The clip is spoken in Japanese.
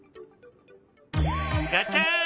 ガチャン！